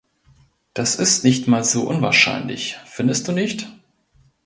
Das ist nicht mal so unwahrscheinlich, findest du nicht?